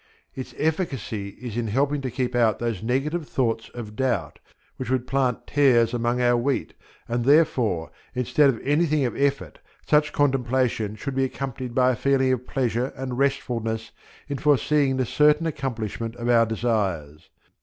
Its efficacy is in helping to keep out those negative thoughts of doubt which would plant tares among our wheat, and therefore, instead of anything of effort, such contemplation should be accompanied by a feeling of pleasure and restfulness in foreseeing the certain accomplishment of our desires.